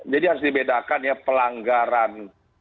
jadi harus dibedakan ya pelanggaran